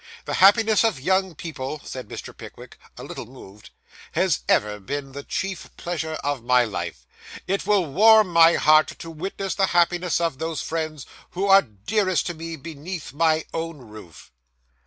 The happiness of young people,' said Mr. Pickwick, a little moved, 'has ever been the chief pleasure of my life. It will warm my heart to witness the happiness of those friends who are dearest to me, beneath my own roof.' Mr.